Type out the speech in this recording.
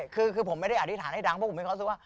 คือผมไม่ได้อธิษฐานให้ดังเพราะผมไม่เข้าใจว่า